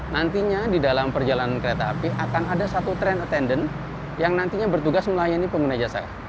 nantinya di dalam perjalanan kereta api akan ada satu train attendant yang nantinya bertugas melayani pengguna jasa